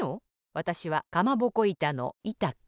わたしはかまぼこいたのいた子。